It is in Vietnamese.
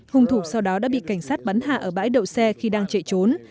hùng thủ sau đó đã bị cảnh sát bắn hạ ở bãi đậu xe khi đang chạy trốn